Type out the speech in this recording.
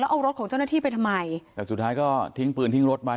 เอารถของเจ้าหน้าที่ไปทำไมแต่สุดท้ายก็ทิ้งปืนทิ้งรถไว้